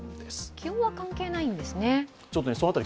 気温は関係ないんですね？